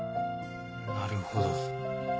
なるほど。